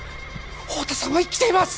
太田さんは生きています